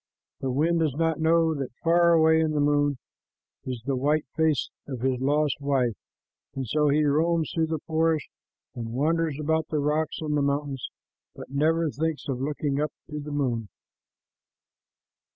The wind does not know that far away in the moon is the white face of his lost wife, and so he roams through the forest and wanders about the rocks and the mountains, but never thinks of looking up to the moon.